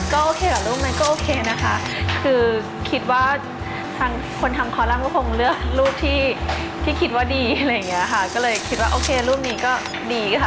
ก็โอเคกับรูปนั้นก็โอเคนะคะคือคิดว่าทางคนทำคอลัมป์ก็คงเลือกรูปที่คิดว่าดีอะไรอย่างเงี้ยค่ะก็เลยคิดว่าโอเครูปนี้ก็ดีค่ะ